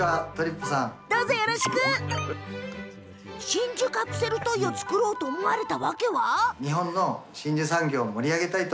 真珠カプセルトイを作ろうと思われたんですか？